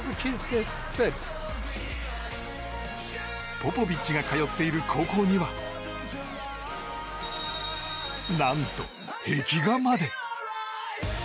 ポポビッチが通っている高校には、何と壁画まで。